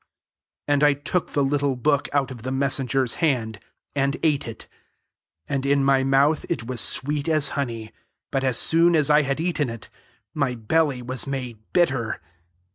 '* 10 And I took the little book out of the messenger's hand, and ate it : and in my mouth it was sweet as honey ; but as soon as I hsd eaten it, my belly was made bitter.